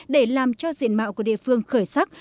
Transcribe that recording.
để làm cho diện mạo của địa phương khởi sắc